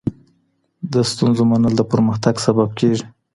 د ستونزو منل د پرمختګ سبب کېږي.